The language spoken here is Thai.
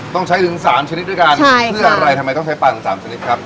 ต้องใช้ถึง๓ชนิดด้วยกันเพื่ออะไรทำไมต้องใช้ปลาถึง๓ชนิดครับ